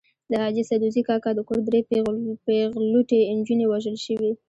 د حاجي سدوزي کاکا د کور درې پېغلوټې نجونې وژل شوې.